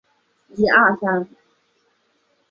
但两人仍然无法有任何结果。